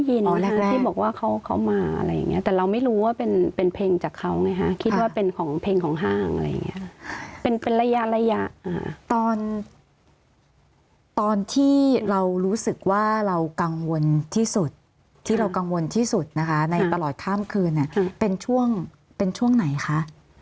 มีเสียงเพลงของห้างอะไรอย่างนี้เป็นระยะตอนที่เรารู้สึกว่าเรากังวลที่สุดที่เรากังวลที่สุดนะคะในประหลอดข้ามคืนเป็นช่วงเป็นช่วงไหนคะ